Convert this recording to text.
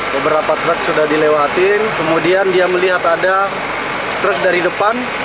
beberapa truk sudah dilewatin kemudian dia melihat ada truk dari depan